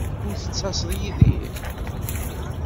Ur d-tettaseḍ yid-i?